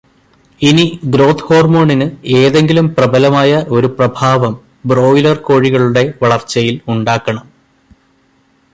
ഇനി ഗ്രോത് ഹോർമോണിന് എന്തെങ്കിലും പ്രബലമായ ഒരു പ്രഭാവം ബ്രോയ്ലർ കോഴികളുടെ വളർച്ചയിൽ ഉണ്ടാക്കണം